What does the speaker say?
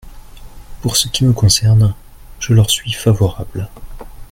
Pour ce qui me concerne, je leur suis favorable.